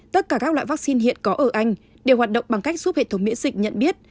tất cả các loại vaccine hiện có ở anh đều hoạt động bằng cách giúp hệ thống miễn dịch nhận biết